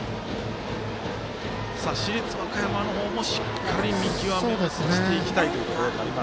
市立和歌山の方も、しっかり見極めをしていきたいというところになります。